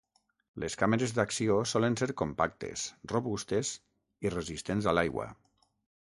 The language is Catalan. Les càmeres d'acció solen ser compactes, robustes i resistents a l'aigua.